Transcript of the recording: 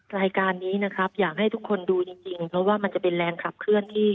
รายการนี้นะครับอยากให้ทุกคนดูจริงเพราะว่ามันจะเป็นแรงขับเคลื่อนที่